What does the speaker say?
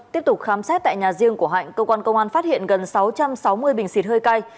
tiếp tục khám sát tại nhà riêng của hạnh công an phát hiện gần sáu trăm sáu mươi bình xịt hơi cay